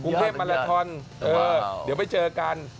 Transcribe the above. กรุงเทพมาลาทอนเดี๋ยวไปเจอกัน